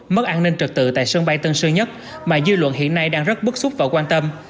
mất an ninh trực tự tại sân bay tân sơn nhất mà dư luận hiện nay đang rất bức xúc và quan tâm